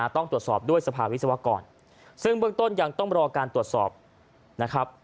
ต้องตรวจสอบด้วยสภาวิศวกรซึ่งเบื้องต้นยังต้องรอการตรวจสอบนะครับ